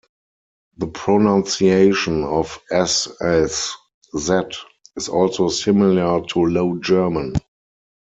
The pronunciation of "s" as "z" is also similar to Low German.